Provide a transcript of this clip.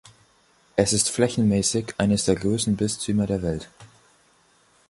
Es ist flächenmäßig eines der größten Bistümer der Welt.